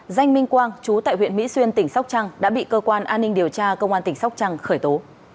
danh minh quang chú tại huyện mỹ xuyên tỉnh sóc trăng đã bị cơ quan an ninh điều tra công an tỉnh sóc trăng khởi tố